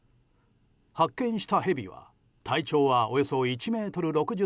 発見したヘビは体長はおよそ１ｍ６０ｃｍ。